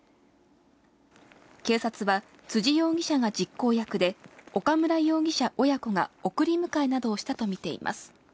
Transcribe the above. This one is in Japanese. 警察は、辻容疑者が実行役で、岡村容疑者親子が送り迎えなどをしたと見ています。